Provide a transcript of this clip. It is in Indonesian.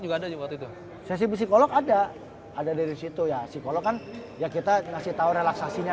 juga ada juga itu sesi psikolog ada ada dari situ ya psikolog kan ya kita kasih tahu relaksasinya